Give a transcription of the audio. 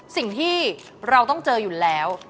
สิ่งที่เราต้องเจออยู่แล้ว